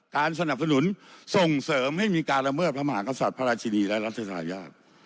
สนับสนุนส่งเสริมให้มีการละเมิดพระมหากษัตริย์พระราชินีและรัฐทายาท